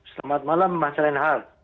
selamat malam pak trian har